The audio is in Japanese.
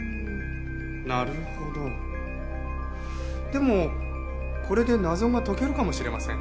でもこれで謎が解けるかもしれません。